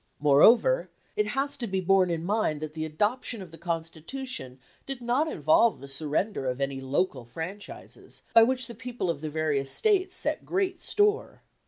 Moreover, it has to be borne in mind that the adoption of the Constitution did not involve the surrender of any local franchises, by which the people of the various States set great store.